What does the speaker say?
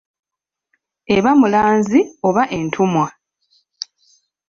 Eba mulanzi oba entumwa.